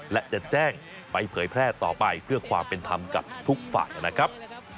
และจะแจ้งไปเผยแพร่ต่อไปเพื่อความเป็นธรรมกับทุกฝ่ายนะครับ